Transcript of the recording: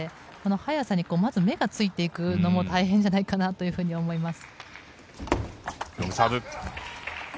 速さに、まず目がついていくのも大変じゃないかなと思います。